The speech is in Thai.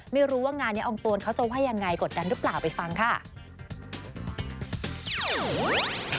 ไม่รู้ว่างานนี้อองตวนเขาจะว่ายังไงกดดันหรือเปล่าไปฟังค่ะ